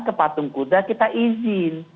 ke patung kuda kita izin